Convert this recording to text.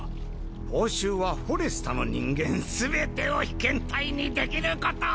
報酬はフォレスタの人間全てを被験体にできること！